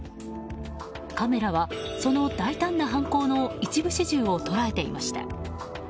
カメラはその大胆な犯行の一部始終を捉えていました。